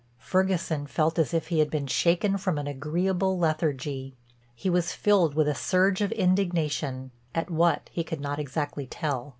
Ferguson felt as if he had been shaken from an agreeable lethargy. He was filled with a surge of indignation, at what he could not exactly tell.